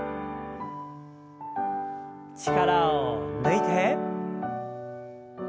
力を抜いて。